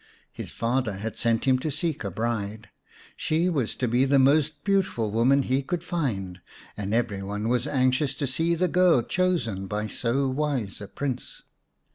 His father had sent him to seek a bride ; she was to be the most beautiful woman he could find, and every one was anxious to see the girl chosen by so wise a Prince.